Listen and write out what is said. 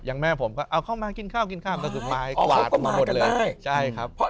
อย่างแม่ผมก็เอาเข้ามากินข้าวกินข้าวก็คือมาให้กวาด